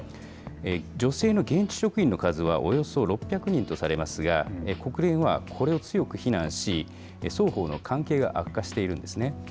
女性の現地職員の数はおよそ６００人とされますが、国連はこれを強く非難し、双方の関係が悪化しているんですね。